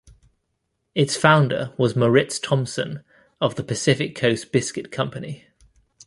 Its founder was Moritz Thomsen of the Pacific Coast Biscuit Company.